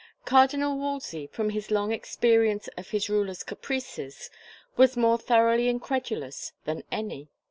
Cardinal Wolsey, from his long experience of his ruler's caprices, was more thoroughly incredulous than any.